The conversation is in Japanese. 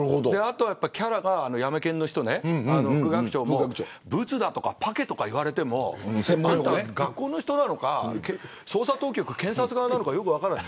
キャラがヤメ検の人ね、副学長もブツだとかパケとか言われても学校の人なのか捜査当局、検察側なのかよく分からない。